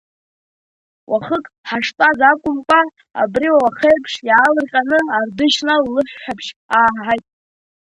Уахык, ҳаштәаз акәымкәа, абри уахеиԥш иаалырҟьаны, Ардышьна лыҳәҳәабжь ааҳаҳаит.